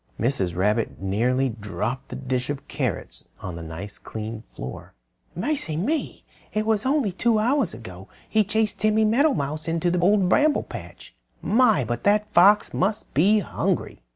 Mrs. Rabbit nearly dropped the dish of carrots on the nice clean floor. "Mercy me! It was only about two hours ago he chased Timmy Meadowmouse into the Old Bramble Patch. My! but that old fox must be hungry!"